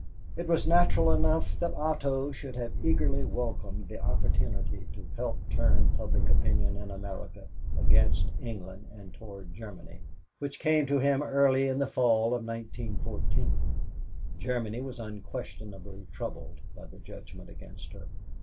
It was natural enough that Otto should have eagerly welcomed the opportunity to help turn public opinion in America against England and toward Germany, which came to him early in the fall of 1914. Germany was unquestionably troubled by the judgment against her.